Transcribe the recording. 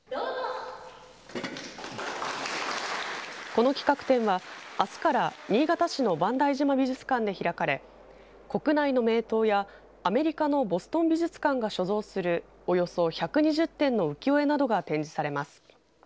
この企画展は、あすから新潟市の万代島美術館で開かれ国内の名刀やアメリカのボストン美術館が所蔵するおよそ１２０点の浮世絵などが展示されます。